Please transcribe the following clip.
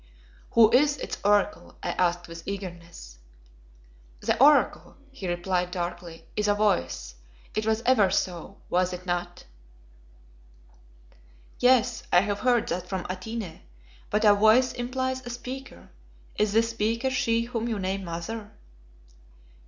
"Who is its Oracle?" I asked with eagerness. "The Oracle," he replied darkly, "is a Voice. It was ever so, was it not?" "Yes; I have heard that from Atene, but a voice implies a speaker. Is this speaker she whom you name Mother?"